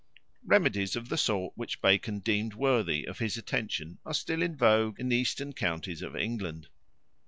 Remedies of the sort which Bacon deemed worthy of his attention are still in vogue in the eastern counties of England.